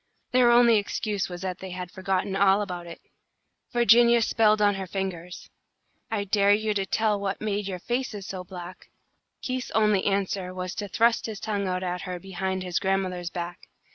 Their only excuse was that they had forgotten all about it. Virginia spelled on her fingers: "I dare you to tell what made your faces so black!" Keith's only answer was to thrust his tongue out at her behind his grandmother's back.